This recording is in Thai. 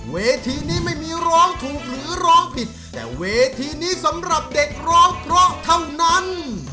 เวทีนี้ไม่มีร้องถูกหรือร้องผิดแต่เวทีนี้สำหรับเด็กร้องเพราะเท่านั้น